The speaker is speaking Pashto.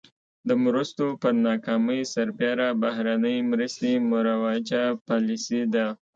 د مرستو پر ناکامۍ سربېره بهرنۍ مرستې مروجه پالیسي ده.